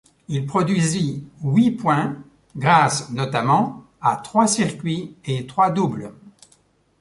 Il produisit huit points grâce, notamment, à trois circuits et trois doubles.